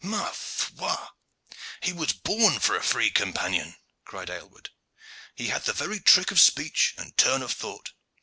"Ma foi, he was born for a free companion!" cried Aylward, "He hath the very trick of speech and turn of thought.